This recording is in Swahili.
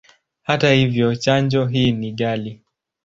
Hata hivyo, chanjo hii ni ghali.